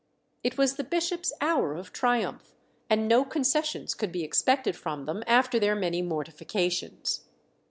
It was the bishops' hour of triumph, and no concessions could be expected from them after their many mortifications.